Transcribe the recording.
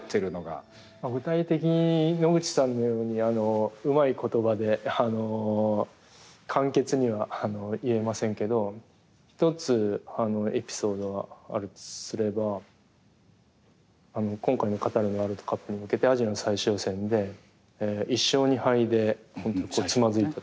具体的に野口さんのようにうまい言葉で簡潔には言えませんけど１つエピソードがあるとすれば今回のカタールのワールドカップに向けてアジアの最終予選で１勝２敗でつまずいて。